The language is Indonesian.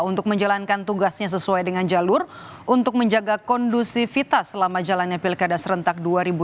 untuk menjalankan tugasnya sesuai dengan jalur untuk menjaga kondusivitas selama jalannya pilkada serentak dua ribu delapan belas